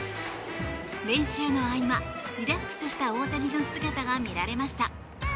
練習の合間、リラックスした大谷の姿が見られました。